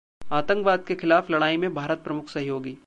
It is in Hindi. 'आतंकवाद के खिलाफ लड़ाई में भारत प्रमुख सहयोगी'